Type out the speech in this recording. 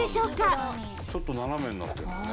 ちょっと斜めになってるんだね。